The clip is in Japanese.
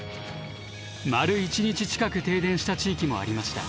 丸一日近く停電した地域もありました。